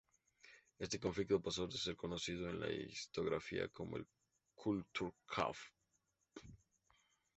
Este conflicto pasó a ser conocido en la historiografía como el "Kulturkampf".